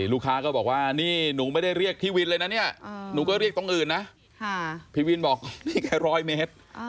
ลูกค้าก็บอกว่านี่หนูไม่ได้เรียกพี่วินเลยนะเนี่ยหนูก็เรียกตรงอื่นนะพี่วินบอกนี่แค่๑๐๐เมตร